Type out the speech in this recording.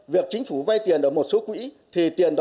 việc chính phủ vây tiền ở một số quỹ thì tiền đó